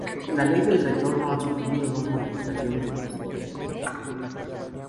La Ley del Retorno ha sufrido dos modificaciones en su historia.